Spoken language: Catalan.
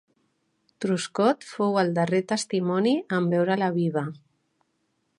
Truscott fou el darrer testimoni en veure-la viva.